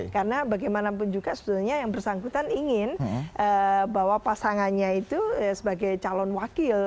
karena bagaimanapun juga yang bersangkutan ingin bahwa pasangannya itu sebagai calon wakil